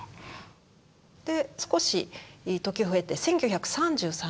で少し時を経て１９３３年。